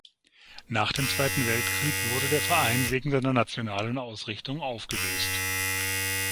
Nach dem Zweiten Weltkrieg wurde der Verein wegen seiner nationalen Ausrichtung aufgelöst.